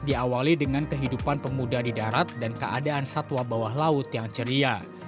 diawali dengan kehidupan pemuda di darat dan keadaan satwa bawah laut yang ceria